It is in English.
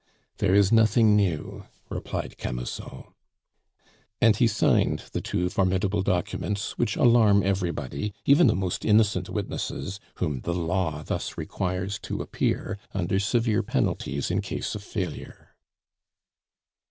"There is nothing new!" replied Camusot. And he signed the two formidable documents which alarm everybody, even the most innocent witnesses, whom the law thus requires to appear, under severe penalties in case of failure.